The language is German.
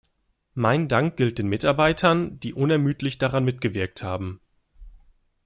Mein Dank gilt den Mitarbeitern, die unermüdlich daran mitgewirkt haben.